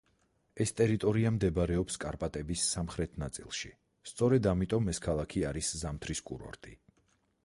ეს ტერიტორია მდებარეობს კარპატების სამხრეთ ნაწილში, სწორედ ამიტომ ეს ქალაქი არის ზამთრის კურორტი.